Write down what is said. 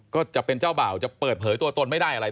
ก็จะเป็นเจ้าบ่าวจะเปิดเผยตัวตนไม่ได้อะไร